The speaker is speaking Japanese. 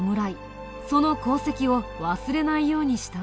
その功績を忘れないようにしたんだ。